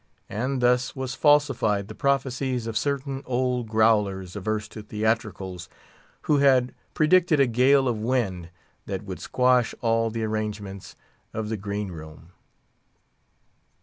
And thus was falsified the prophecies of certain old growlers averse to theatricals, who had predicted a gale of wind that would squash all the arrangements of the green room.